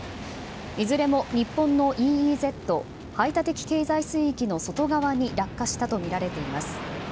いずれも日本のＥＥＺ・排他的経済水域の外側に落下したとみられています。